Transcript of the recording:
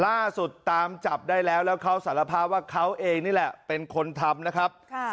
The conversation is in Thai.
ล่าสุดตามจับได้แล้วแล้วเขาสารภาพว่าเขาเองนี่แหละเป็นคนทำนะครับ